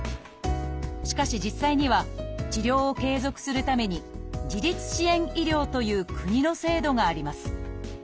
しかし実際には治療を継続するために「自立支援医療」という国の制度があります。